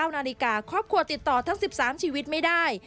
นาฬิกาครอบครัวติดต่อทั้ง๑๓ชีวิตไม่ได้